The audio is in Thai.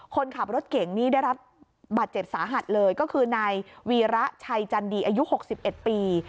คนขับรถเก่งนี่ได้รับบัตรเจ็บสาหัสเลยก็คือในวีระชัยจันดีอายุหกสิบเอ็ดปี